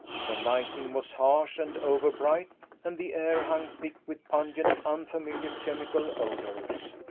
The lighting was harsh and overbright and the air hung thick with pungent unfamiliar chemical odors.